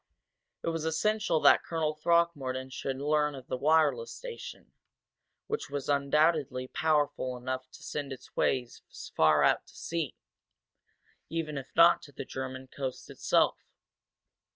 It was essential that Colonel Throckmorton should learn of the wireless station, which was undoubtedly powerful enough to send its waves far out to sea, even if not to the German coast itself.